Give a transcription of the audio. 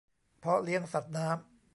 เพาะเลี้ยงสัตว์น้ำ